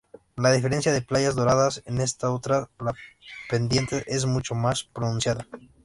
A diferencia de Playas Doradas, en estas otras la pendiente es mucho más pronunciada.